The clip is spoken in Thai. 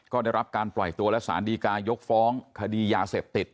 ก็ได้รับการปล่อยตัวและสารดีกายกฟ้องคดียาเสพติด